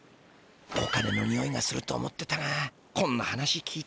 お金のにおいがすると思ってたがこんな話聞いちゃあな。